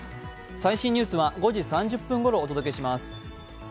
最新ニュースは５時３０分ごろ、お伝えします。